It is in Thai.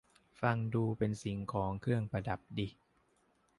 ฟังดูเป็นสิ่งของเครื่องประดับดี